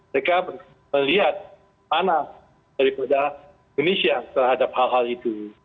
mereka melihat mana daripada indonesia terhadap hal hal itu